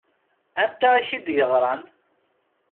Anta i k-d-yeɣṛan?